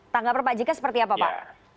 tanggapan pak jk seperti apa pak